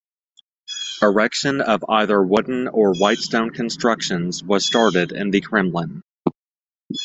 Erection of either wooden or white-stone constructions was started in the Kremlin.